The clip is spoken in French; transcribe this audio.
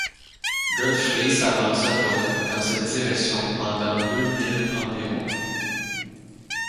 Godfrey s’avança donc dans cette direction pendant deux milles environ.